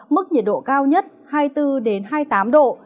mức nhiệt độ cao nhất hai mươi bốn hai mươi tám độ